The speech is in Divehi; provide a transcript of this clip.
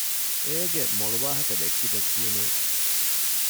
އޭގެ މޮޅު ވާހަކަ ދެއްކި ދެއްކީނުން